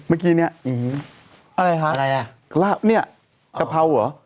เมื่อกี้เนี้ยอืมอะไรคะอะไรอ่ะลาบเนี่ยกะเพราเหรอ